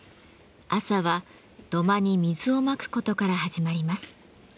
朝は土間に水をまくことから始まります。